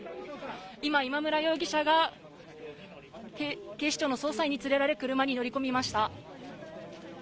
今、今村容疑者が警視庁の捜査員に連れられ、車に乗り込みました。